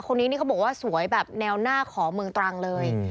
คนนี้นี่เขาบอกว่าสวยแบบแนวหน้าของเมืองตรังเลย